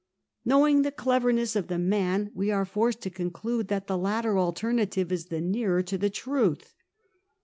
Knowing the cleverness of the man, we are forced to conclude that the latter alternative is the nearer to the truth.